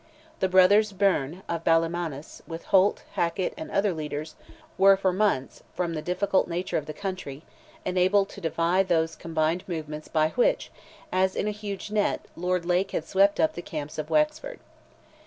The brothers Byrne, of Ballymanus, with Holt, Hackett, and other local leaders, were for months, from the difficult nature of the country, enabled to defy those combined movements by which, as in a huge net, Lord Lake had swept up the camps of Wexford.